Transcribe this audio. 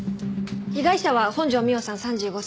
被害者は本条美緒さん３５歳。